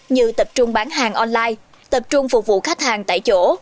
như tập trung bán hàng online tập trung phục vụ khách hàng tại chỗ